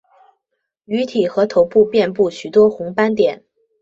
鱼体和头部遍布许多红斑点。